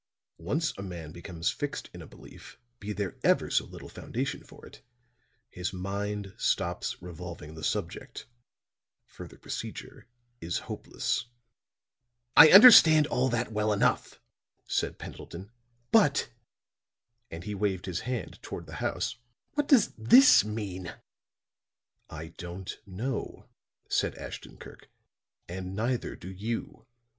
Once a man becomes fixed in a belief, be there ever so little foundation for it, his mind stops revolving the subject; further procedure is hopeless." "I understand all that well enough," said Pendleton. "But," and he waved his hand toward the house, "what does this mean?" "I don't know," said Ashton Kirk. "And neither do you.